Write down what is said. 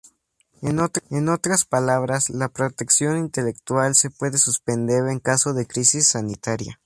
En otras palabras, la protección intelectual se puede suspender en caso de crisis sanitaria.